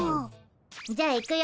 じゃあ行くよ。